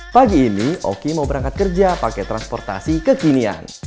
pagi ini oki mau berangkat kerja pakai transportasi kekinian